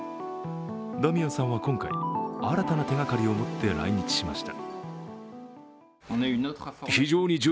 ダミアンさんは今回、新たな手がかりを持って来日しました。